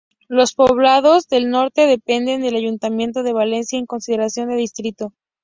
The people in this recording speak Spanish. Los Poblados del Norte dependen del ayuntamiento de Valencia en consideración de distrito.